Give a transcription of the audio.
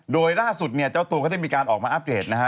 โดยล่าสุดเนี่ยเจ้าตัวก็ได้มีการออกมาอัปเดตนะฮะ